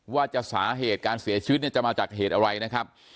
ว่าจะสาเหตุการเสียชีวิตเนี่ยจะมาจากเหตุอะไรนะครับ